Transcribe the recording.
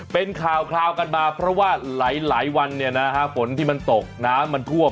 เป็นข่าวกันมาเพราะว่าหลายวันฝนที่มันตกน้ำมันท่วม